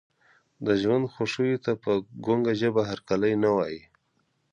د ژوند خوښیو ته په ګونګه ژبه هرکلی نه وایي.